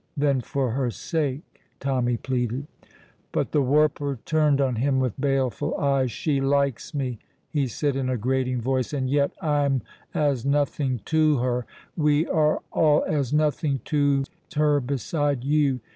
"Then for her sake," Tommy pleaded. But the warper turned on him with baleful eyes. "She likes me," he said in a grating voice, "and yet I'm as nothing to her; we are all as nothing to her beside you.